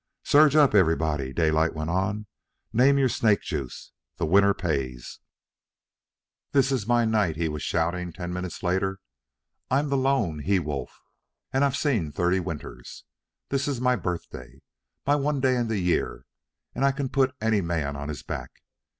"Surge up, everybody!" Daylight went on. "Name your snake juice! The winner pays!" "This is my night!" he was shouting, ten minutes later. "I'm the lone he wolf, and I've seen thirty winters. This is my birthday, my one day in the year, and I can put any man on his back.